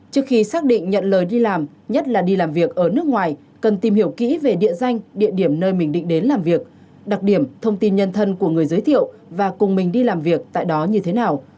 trước khi xác định nhận lời đi làm nhất là đi làm việc ở nước ngoài cần tìm hiểu kỹ về địa danh địa điểm nơi mình định đến làm việc đặc điểm thông tin nhân thân của người giới thiệu và cùng mình đi làm việc tại đó như thế nào